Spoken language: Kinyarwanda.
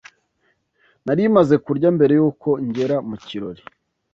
Nari maze kurya mbere yuko ngera mu kirori.